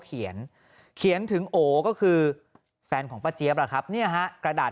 เขียนเขียนถึงโอก็คือแฟนของป้าเจี๊ยบล่ะครับเนี่ยฮะกระดาษ